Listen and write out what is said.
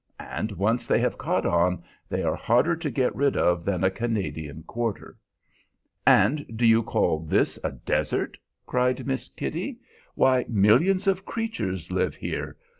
And once they have caught on, they are harder to get rid of than a Canadian "quarter." "And do you call this a desert?" cries Miss Kitty. "Why, millions of creatures live here!